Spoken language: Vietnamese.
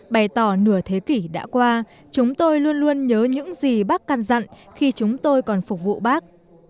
bày tỏ nửa thế kỷ đã qua chúng tôi luôn luôn nhớ những gì bác can dặn khi chúng tôi còn phục vụ bác